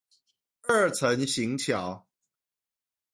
二層行橋